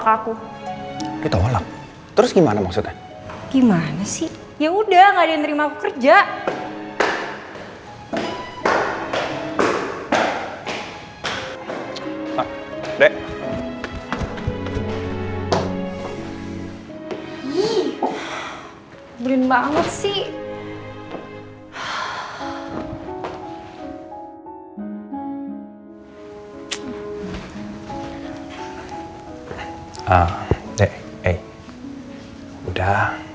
kayaknya mana orang perempuannya